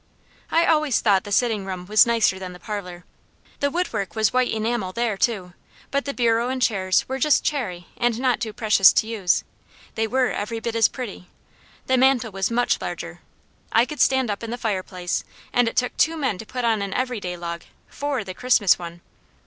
I always thought the sitting room was nicer than the parlour. The woodwork was white enamel there too, but the bureau and chairs were just cherry and not too precious to use. They were every bit as pretty. The mantel was much larger. I could stand up in the fireplace, and it took two men to put on an everyday log, four the Christmas one.